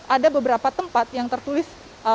ada beberapa tempat yang tertulis